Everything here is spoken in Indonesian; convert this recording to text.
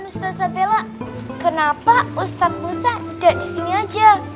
apa nustazza bella kenapa ustaz musa tidak disini aja